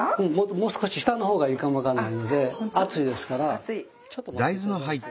もう少し下のほうがいいかも分かんないので熱いですからちょっと待っていただいて。